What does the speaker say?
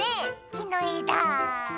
きのえだ！